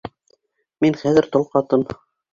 Мин хәҙер тол ҡатын.